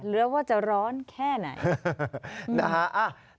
เหลือว่าจะร้อนแค่ไหนนะฮะ